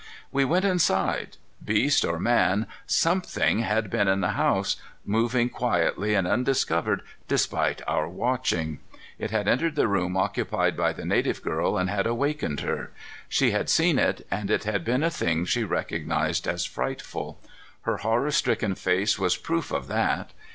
We went inside. Beast or man, something had been in the house, moving quietly and undiscovered despite our watching. It had entered the room occupied by the native girl and had awakened her. She had seen it, and it had been a thing she recognized as frightful. Her horror stricken face was proof of that.